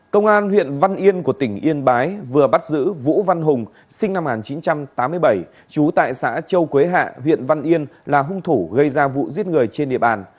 công an huyện văn yên của tỉnh yên bái vừa bắt giữ vũ văn hùng sinh năm một nghìn chín trăm tám mươi bảy trú tại xã châu quế hạ huyện văn yên là hung thủ gây ra vụ giết người trên địa bàn